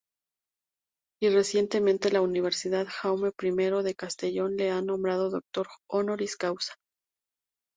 Y, recientemente la Universidad Jaume I de Castellón le ha nombrado Doctor Honoris Causa.